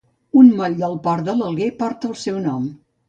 Un moll del port de l'Alguer porta el seu nom.